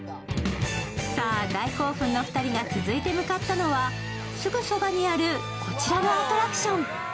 大興奮の２人が続いて向かったのはすぐそばにあるこちらのアトラクション。